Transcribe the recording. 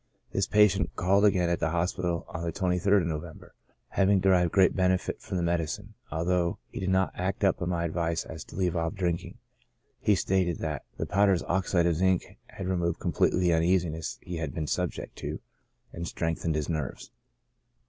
This patient called again at the hospital on the 23rd of Novem ber, having derived great benefit from the medicine, although he did not act up to my advice as to leaving off" drinking ; he stated that " the powders (oxide of zinc) had removed completely the uneasiness he had been subject to, and strengthened his nerves."